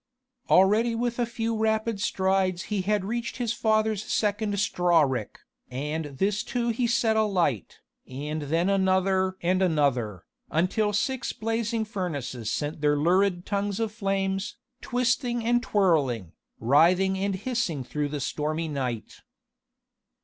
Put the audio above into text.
Already with a few rapid strides he had reached his father's second straw rick, and this too he set alight, and then another and another, until six blazing furnaces sent their lurid tongues of flames, twisting and twirling, writhing and hissing through the stormy night.